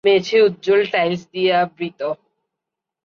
মেঝে উজ্জ্বল টাইলস দিয়ে আবৃত।